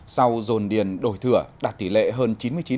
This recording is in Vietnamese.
sau dồn điền đổi thửa đạt tỷ lệ hơn chín mươi chín